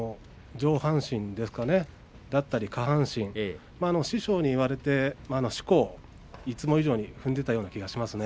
上半身や下半身、師匠に言われていつも以上に、しこを踏んでいたような気がしますね。